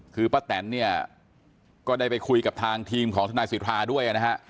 คือป้าแตนก็ได้ไปคุยกับทางทีมของทนายสิทธาด้วย